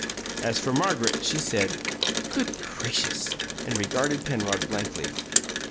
As for Margaret, she said, "Good gracious!" and regarded Penrod blankly.